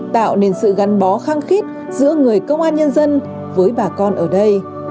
tạo nên sự gắn bó khăng khít giữa người công an nhân dân với bà con ở đây